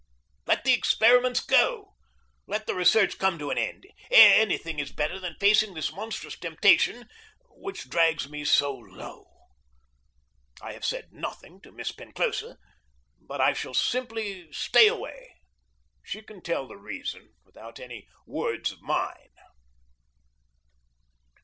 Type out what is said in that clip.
Let the experiments go, let the research come to an end; any thing is better than facing this monstrous temptation which drags me so low. I have said nothing to Miss Penclosa, but I shall simply stay away. She can tell the reason without any words of mine.